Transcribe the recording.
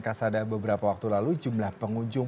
kasada beberapa waktu lalu jumlah pengunjung